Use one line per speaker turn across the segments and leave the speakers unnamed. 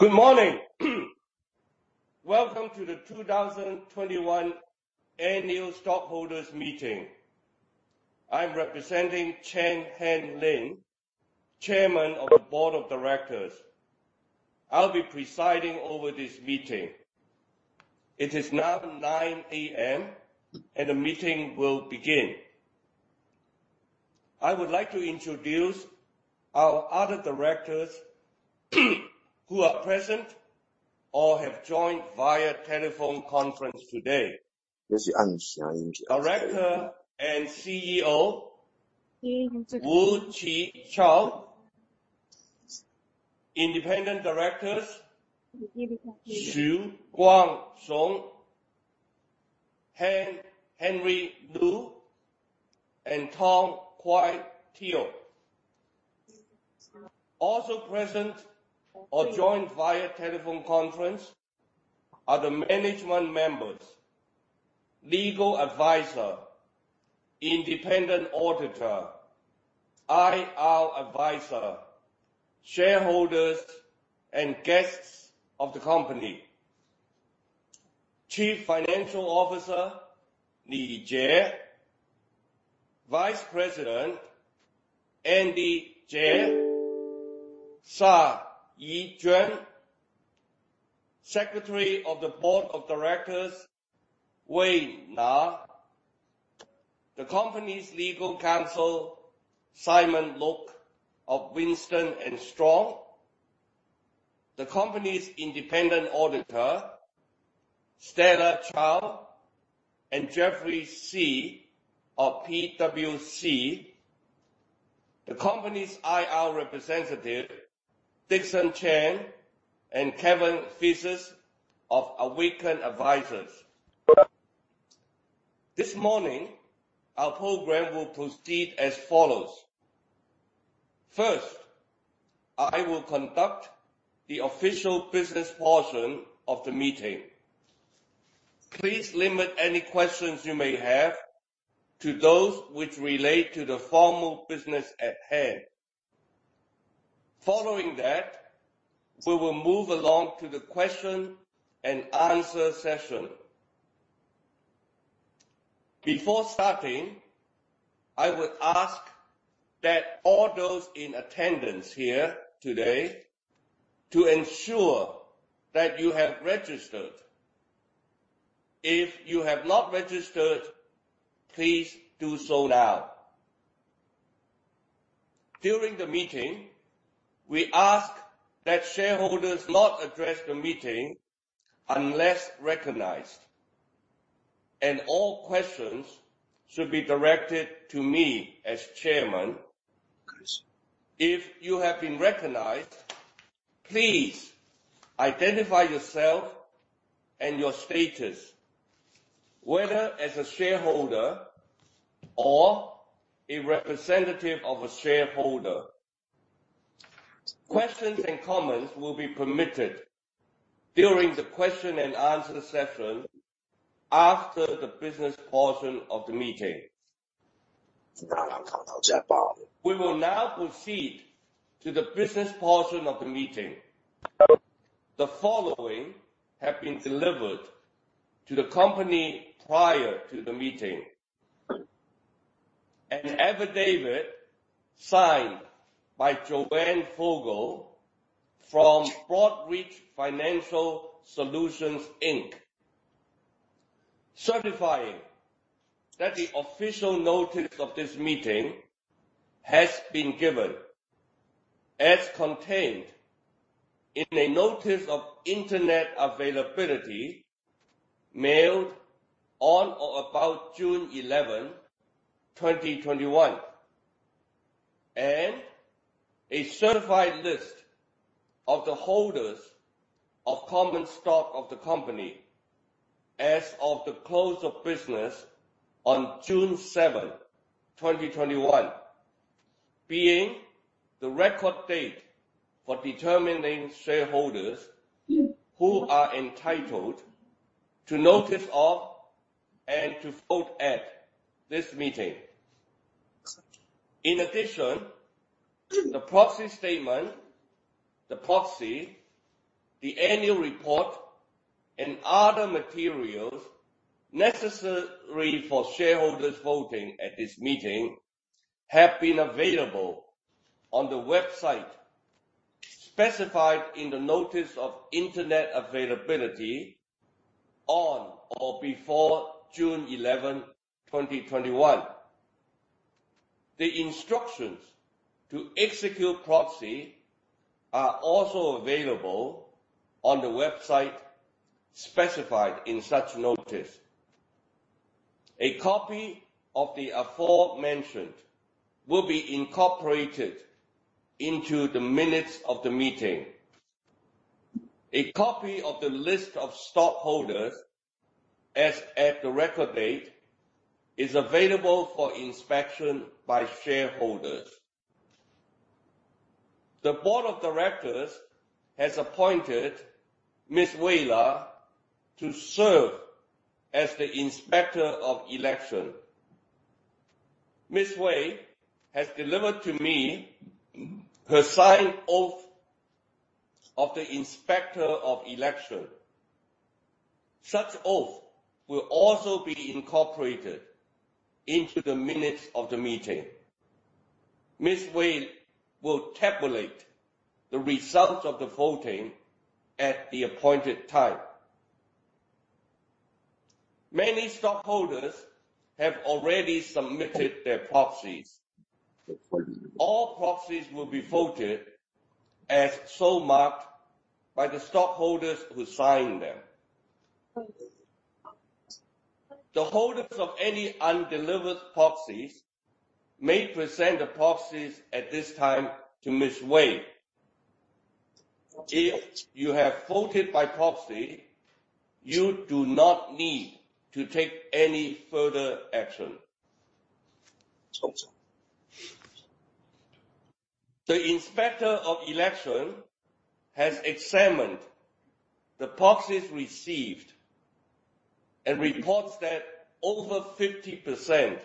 Good morning. Welcome to the 2021 Annual Stockholders Meeting. I'm representing Chen Hanlin, Chairman of the Board of Directors. I'll be presiding over this meeting. It is now 9:00 A.M. The meeting will begin. I would like to introduce our other directors who are present or have joined via telephone conference today. Director and CEO, Qizhou Wu. Independent directors, Guangxun Xu, Heng Henry Liu, and Tong Kooi Teo. Also, present or joined via telephone conference are the management members, legal advisor, independent auditor, IR advisor, shareholders, and guests of the company. Chief Financial Officer, Jie Li. Vice President, Andy Tse, Sa Yijuan. Secretary of the Board of Directors, Na Wei. The company's legal counsel, Simon Luk of Winston & Strawn. The company's independent auditor, Tina Liu and Jeffrey Zee of PwC. The company's IR representative, Dickson Chan and Kevin Theiss of Awaken Advisors. This morning, our program will proceed as follows. First, I will conduct the official business portion of the meeting. Please limit any questions you may have to those which relate to the formal business at hand. Following that, we will move along to the question-and-answer session. Before starting, I would ask that all those in attendance here today to ensure that you have registered. If you have not registered, please do so now. During the meeting, we ask that shareholders not address the meeting unless recognized, and all questions should be directed to me as chairman. If you have been recognized, please identify yourself and your status, whether as a shareholder or a representative of a shareholder. Questions and comments will be permitted during the question-and-answer session after the business portion of the meeting. We will now proceed to the business portion of the meeting. The following have been delivered to the company prior to the meeting. An affidavit signed by Joanne Vogel from Broadridge Financial Solutions Inc, certifying that the official notice of this meeting has been given as contained in a notice of internet availability mailed on or about June 11, 2021. A certified list of the holders of common stock of the company as of the close of business on June 7, 2021, being the record date for determining shareholders who are entitled to notice of, and to vote at this meeting. In addition, the proxy statement, the proxy, the annual report, and other materials necessary for shareholders voting at this meeting have been available on the website specified in the notice of internet availability on or before June 11, 2021. The instructions to execute proxy are also available on the website specified in such notice. A copy of the aforementioned will be incorporated into the minutes of the meeting. A copy of the list of stockholders as at the record date is available for inspection by shareholders. The board of directors has appointed Ms. Wei Na to serve as the Inspector of Election. Wei has delivered to me her signed oath of the Inspector of Election. Such oath will also be incorporated into the minutes of the meeting. Ms. Wei will tabulate the results of the voting at the appointed time. Many stockholders have already submitted their proxies. All proxies will be voted as so marked by the stockholders who signed them. The holders of any undelivered proxies may present the proxies at this time to Ms. Wei. If you have voted by proxy, you do not need to take any further action. The Inspector of Election has examined the proxies received and reports that over 50% of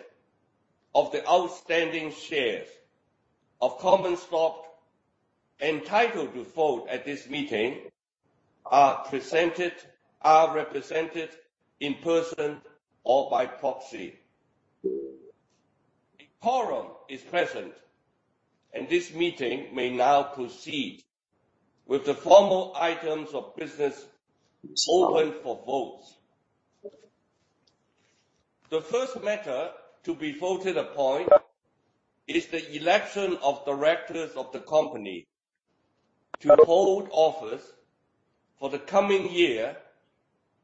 the outstanding shares of common stock entitled to vote at this meeting are represented in person or by proxy. A quorum is present; this meeting may now proceed with the formal items of business open for votes. The first matter to be voted upon is the election of directors of the company to hold office for the coming year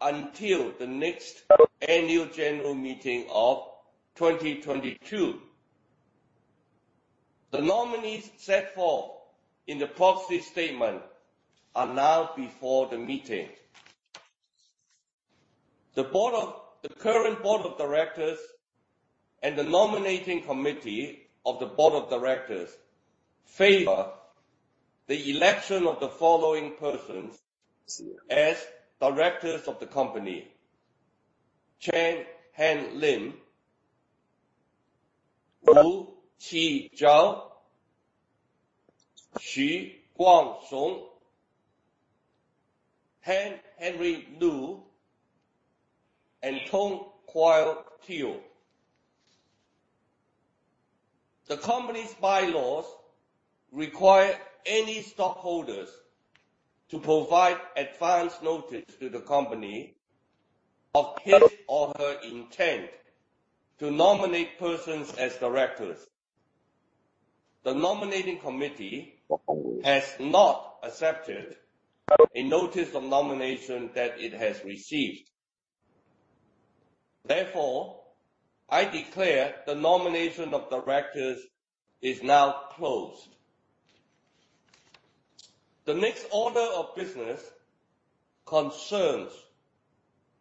until the next annual general meeting of 2022. The nominees set forth in the proxy statement are now before the meeting. The current board of directors and the nominating committee of the board of directors favor the election of the following persons as directors of the company: Chen Hanlin, Qizhou Wu, Guangxun Xu, Heng Henry Liu, and Tong Kooi Teo. The company's bylaws require any stockholders to provide advance notice to the company of his or her intent to nominate persons as directors. The nominating committee has not accepted a notice of nomination that it has received. Therefore, I declare the nomination of directors is now closed. The next order of business concerns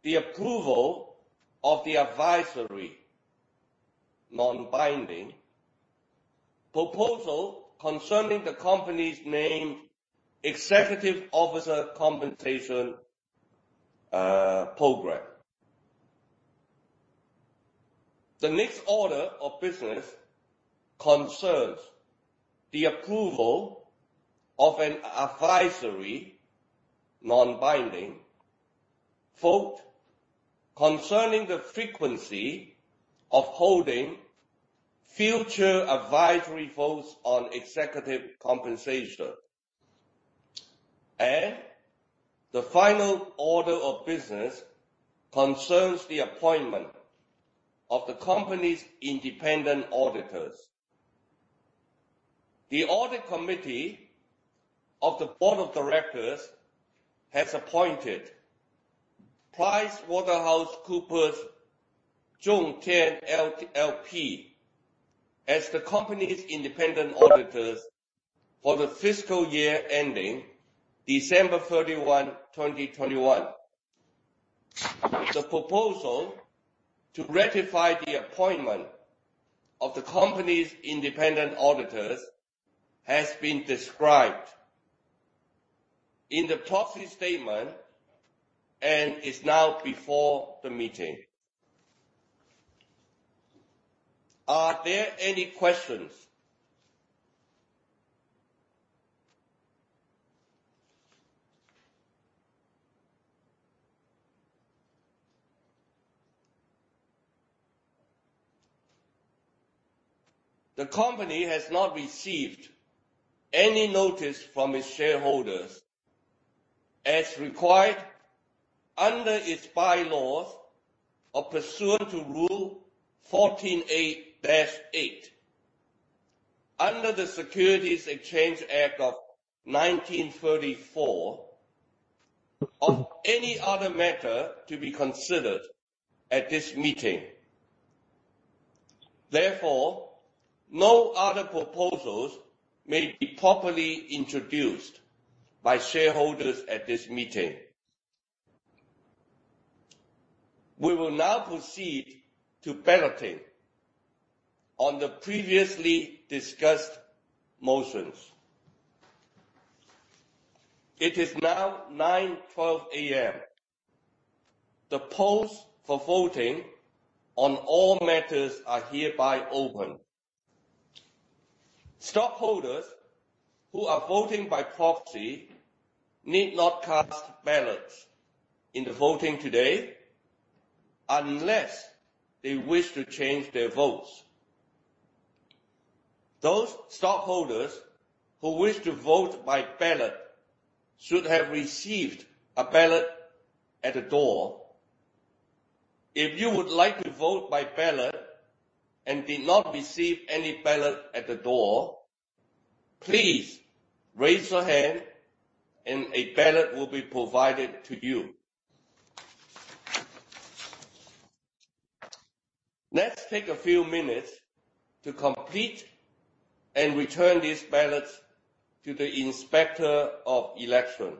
the approval of the advisory, non-binding proposal concerning the company's named executive officer compensation program. The next order of business concerns the approval of an advisory, non-binding vote concerning the frequency of holding future advisory votes on executive compensation. The final order of business concerns the appointment of the company's independent auditors. The audit committee of the board of directors has appointed PricewaterhouseCoopers Zhong Tian LLP as the company's independent auditors for the fiscal year ending December 31, 2021. The proposal to ratify the appointment of the company's independent auditors has been described in the proxy statement and is now before the meeting. Are there any questions? The company has not received any notice from its shareholders, as required under its bylaws or pursuant to Rule 14a-8 under the Securities Exchange Act of 1934 of any other matter to be considered at this meeting. Therefore, no other proposals may be properly introduced by shareholders at this meeting. We will now proceed to balloting on the previously discussed motions. It is now 9:12 A.M. The polls for voting on all matters are hereby open. Stockholders who are voting by proxy need not cast ballots in the voting today unless they wish to change their votes. Those stockholders who wish to vote by ballot should have received a ballot at the door. If you would like to vote by ballot and did not receive any ballot at the door, please raise your hand and a ballot will be provided to you. Let's take a few minutes to complete and return these ballots to the Inspector of Election.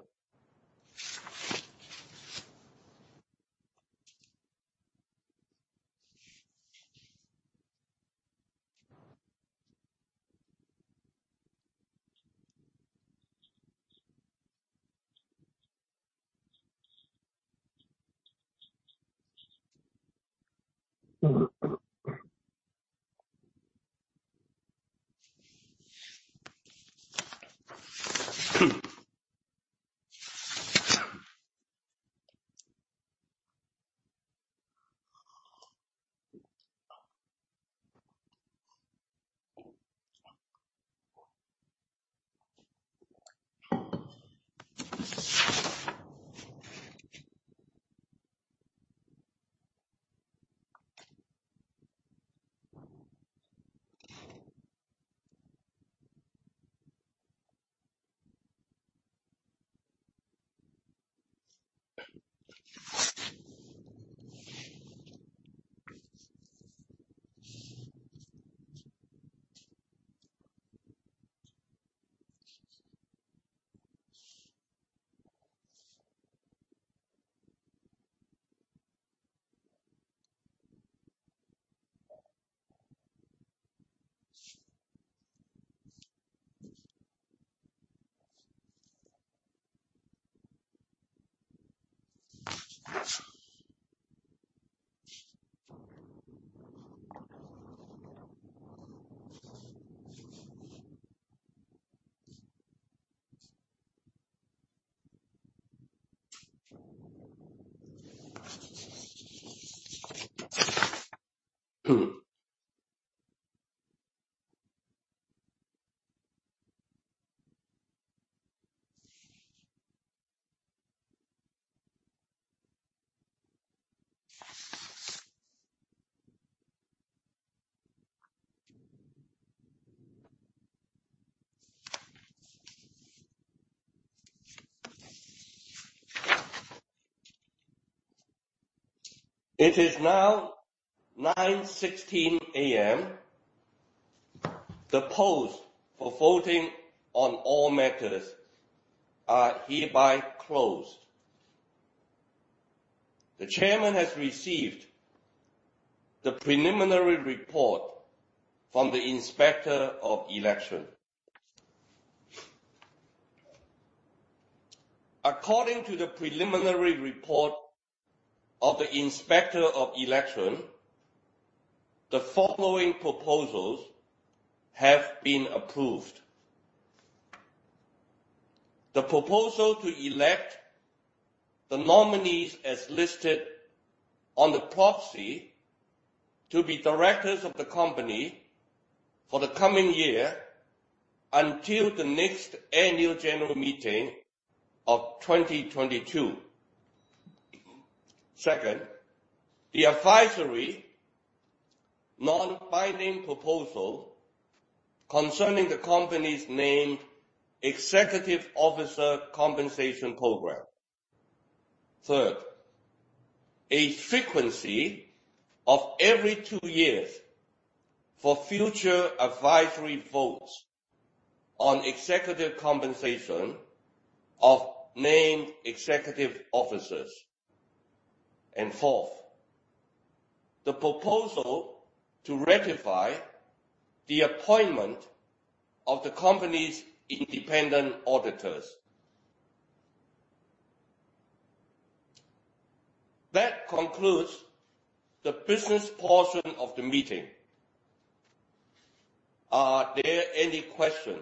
It is now 9:16 A.M. The polls for voting on all matters are hereby closed. The Chairman has received the preliminary report from the Inspector of Election. According to the preliminary report of the Inspector of Election, the following proposals have been approved. The proposal to elect the nominees as listed on the proxy to be directors of the company for the coming year until the next annual general meeting of 2022. Second, the advisory non-binding proposal concerning the company's named executive officer compensation program. Third, a frequency of every 2 years for future advisory votes on executive compensation of named executive officers. Fourth, the proposal to ratify the appointment of the company's independent auditors. That concludes the business portion of the meeting. Are there any questions?